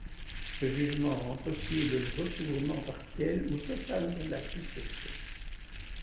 Ce jugement rend possible le recouvrement partiel ou total de la succession.